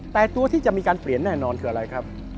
แต่ตัวที่จะมีการเปลี่ยนแน่นอนคืออะไรครับ